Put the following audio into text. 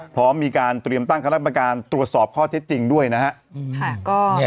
พร้อมมีการเตรียมตั้งคณะกรรมการตรวจสอบข้อเท็จจริงด้วยนะครับ